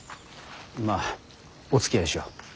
まあおつきあいしよう。